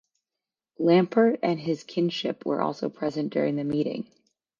Lampert and his kinship were also present during the meeting.